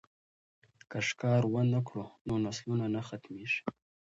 که ښکار ونه کړو نو نسلونه نه ختمیږي.